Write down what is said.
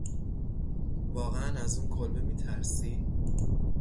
واقعاً از اون کلبه میترسی؟